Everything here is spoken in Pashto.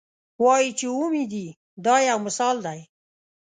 وایي چې اومې دي دا یو مثال دی.